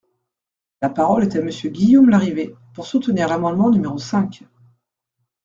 La parole est à Monsieur Guillaume Larrivé, pour soutenir l’amendement numéro cinq.